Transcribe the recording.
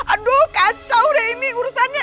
aduh kacau deh ini urusannya